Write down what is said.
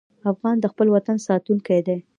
افغان د خپل وطن ساتونکی دی.